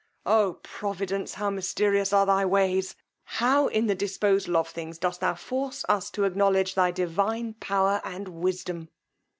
oh providence! how mysterious are thy ways! How, in thy disposal of things, dost thou force us to acknowledge thy divine power and wisdom!